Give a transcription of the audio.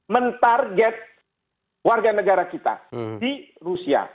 mentarget warga negara kita di rusia